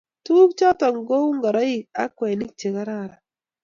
tuguk choton ko u ngoroik ak kwenik che kararan